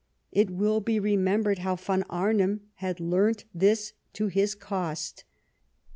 It will be remembered how von Arnim had learnt this to his cost.